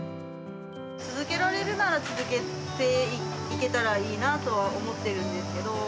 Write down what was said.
続けられるなら続けていけたらいいなとは思ってるんですけど。